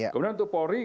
kemudian untuk polri